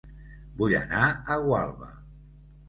Vull anar a Gualba